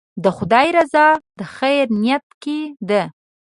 د خدای رضا د خیر نیت کې ده.